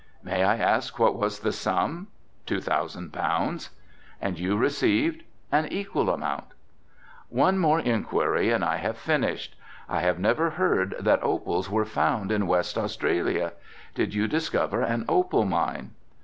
"May I ask what was the sum?" "Two thousand pounds." "And you received?" "An equal amount." "One more inquiry and I have finished. I have never heard that opals were found in West Australia. Did you discover an opal mine?"